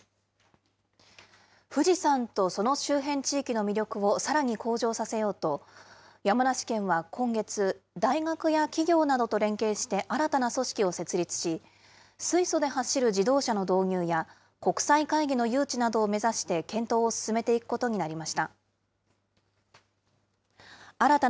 富士山とその周辺地域の魅力をさらに向上させようと、山梨県は今月、大学や企業などと連携して新たな組織を設立し、水素で走る自動車の導入や、国際会議の誘致などを目指して検討を進めていくことになりました。